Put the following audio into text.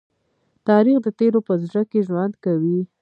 تاریخ د تېرو په زړه کې ژوند کوي.